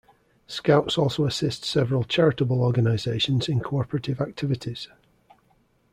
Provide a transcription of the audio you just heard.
Scouts also assist several charitable organizations in co-operative activities.